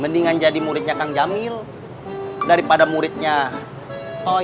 mendingan jadi muridnya kang jamil daripada muridnya